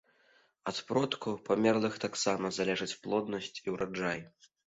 Ад продкаў, памерлых таксама залежыць плоднасць і ўраджай.